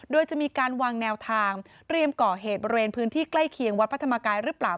โดยจะมีการวางแนวทางเรียมก่อเหตุบริเวณพื้นที่ใกล้เคียงวัดพระธรรมกายหรือเปล่า